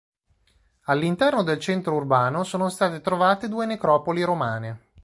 All'interno del centro urbano sono state trovate due necropoli romane.